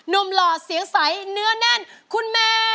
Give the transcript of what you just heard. หล่อเสียงใสเนื้อแน่นคุณแม่